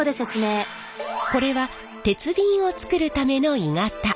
これは鉄瓶を作るための鋳型。